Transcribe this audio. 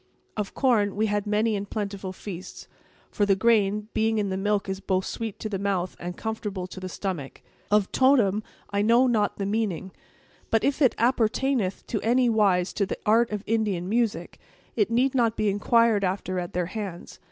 "Of corn, we had many and plentiful feasts; for the grain, being in the milk is both sweet to the mouth and comfortable to the stomach. Of totem, I know not the meaning; but if it appertaineth in any wise to the art of Indian music, it need not be inquired after at their hands.